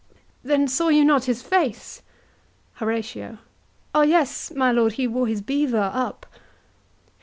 Then saw you not his face? HORATIO. O yes, my lord, he wore his beaver up.